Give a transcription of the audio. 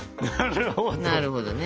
なるほどね。